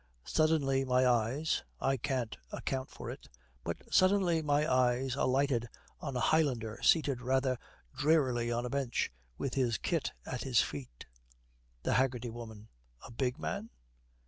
Suddenly my eyes I can't account for it but suddenly my eyes alighted on a Highlander seated rather drearily on a bench, with his kit at his feet.' THE HAGGERTY WOMAN. 'A big man?'